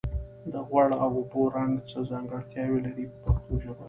د غوړ او اوبو رنګ څه ځانګړتیاوې لري په پښتو ژبه.